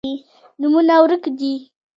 نومونه ورک دي